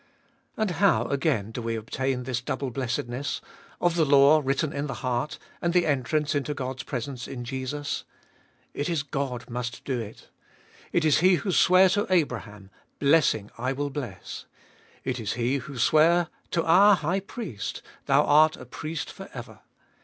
And how, again, do we obtain this double blessedness — of the law written in the heart, and the entrance into God's presence in Jesus ? It is God must do it. It is He who sware to Abraham — Blessing I will bless. It is He who sware to our High Priest — Thou art a Priest for ever.